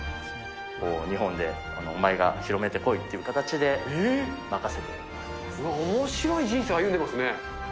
日本でお前が広めてこいっていう形で、おもしろい人生歩んでますね。